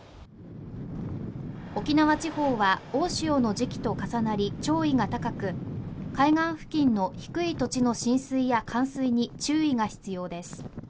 沖縄地方は、大潮の時期と重なり潮位が高く、海岸付近の低い土地の浸水や冠水に注意が必要です。